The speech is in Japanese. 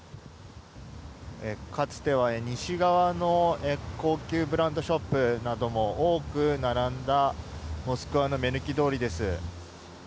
かつては西側の高級ブランドショップなども多く並んだモスクワの目抜き通りです。